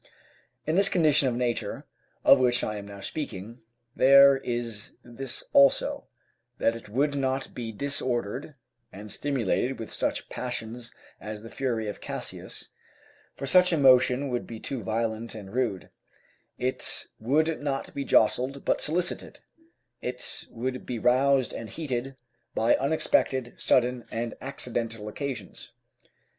In this condition of nature, of which I am now speaking, there is this also, that it would not be disordered and stimulated with such passions as the fury of Cassius (for such a motion would be too violent and rude); it would not be jostled, but solicited; it would be roused and heated by unexpected, sudden, and accidental occasions.